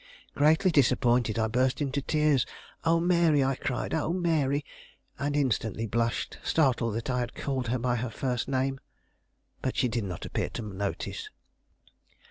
Greatly disappointed, I burst into tears. "Oh, Mary!" I cried, "Oh, Mary!" and instantly blushed, startled that I had called her by her first name. But she did not appear to notice.